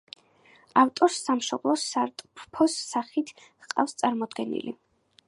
ავტორს სამშობლო სატრფოს სახით ჰყავს წარმოდგენილი.